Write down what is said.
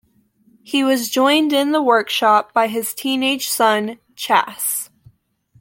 He was joined in the workshop by his teenage son Chas.